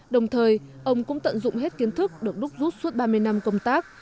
đồng thời ông cũng tận dụng hết kiến thức được đúc rút suốt ba mươi năm công tác